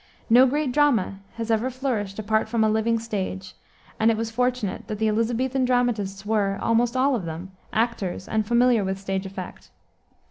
No great drama has ever flourished apart from a living stage, and it was fortunate that the Elisabethan dramatists were, almost all of them, actors and familiar with stage effect.